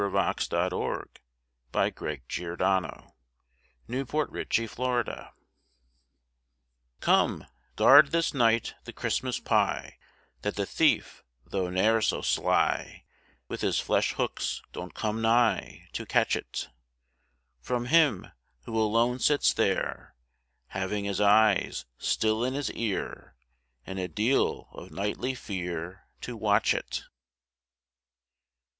Robert Herrick CHRISTMAS EVE ANOTHER CEREMONY Come, guard this night the Christmas pie, That the thief, though ne'er so sly, With his flesh hooks, don't come nigh To catch it. From him, who alone sits there, Having his eyes still in his ear, And a deal of nightly fear To watch it.